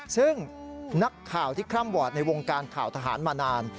ซึ่งนักข่าวที่คล่ำวอร์ดในวงการข่าวทหารมานาน